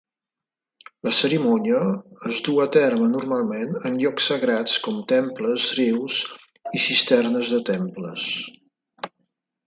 La cerimònia es duu a terme normalment en llocs sagrats com temples, rius i cisternes de temples.